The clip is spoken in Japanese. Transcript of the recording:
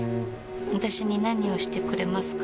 私に何をしてくれますか？